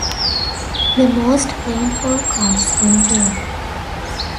The most rainfall comes in June.